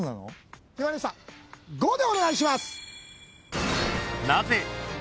５でお願いします。